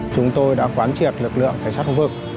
chúng tôi đã khoán triệt lực lượng tài sát khu vực